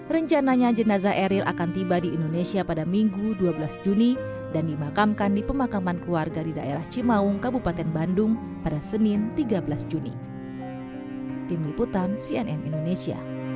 rencananya jenazah eril akan tiba di indonesia pada minggu dua belas juni dan dimakamkan di pemakaman keluarga di daerah cimaung kabupaten bandung pada senin tiga belas juni